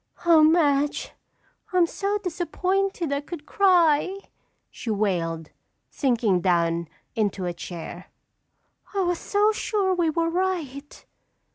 "Oh, Madge, I'm so disappointed I could cry," she wailed, sinking down into a chair. "I was so sure we were right."